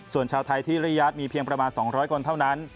ส่วนชาวไทยที่ริยาทมีเพียงประมาณ๒๐๐คนเท่านั้น